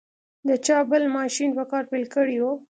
د چاپ بل ماشین په کار پیل کړی و.